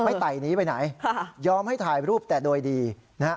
ไต่หนีไปไหนยอมให้ถ่ายรูปแต่โดยดีนะฮะ